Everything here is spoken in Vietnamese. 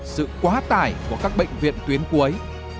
sự quá tài của các bệnh viện tuyến cuối